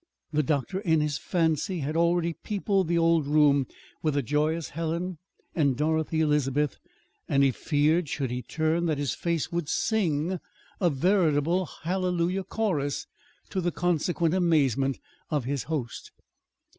The doctor, in his fancy, had already peopled the old room with a joyous Helen and Dorothy Elizabeth; and he feared, should he turn, that his face would sing a veritable Hallelujah Chorus to the consequent amazement of his host.